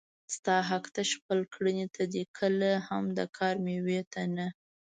ستا حق تش خپل کړنې ته دی کله هم د کار مېوې ته نه